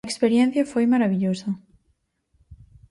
A experiencia foi marabillosa.